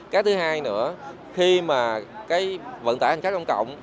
cái thứ hai nữa khi mà cái vận tải hành khách công cộng